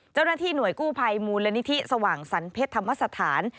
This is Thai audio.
เจ้าหน้าที่หน่วยกู้ภัยมูลนิธิสว่างสรรเพชรธรรมสถาน